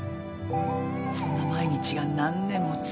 そんな毎日が何年も続いた。